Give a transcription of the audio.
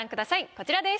こちらです。